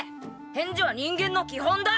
返事は人間の基本だ！